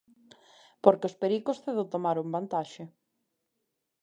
Porque os pericos cedo tomaron vantaxe.